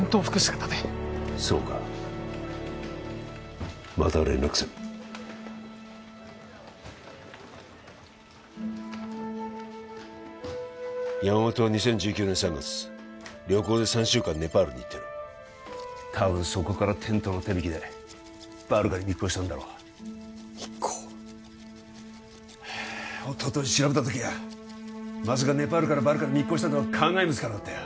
姿でそうかまた連絡する山本は２０１９年３月旅行で３週間ネパールに行ってる多分そこからテントの手引きでバルカに密航したんだろう密航はあっおととい調べた時にはまさかネパールからバルカに密航したとは考えもつかなかったよ